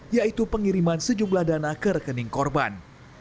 yaitu pengiriman sejumlah dana ke rekening korban